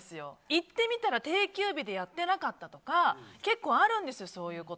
行ってみたら定休日でやってなかったとか結構あるんですよ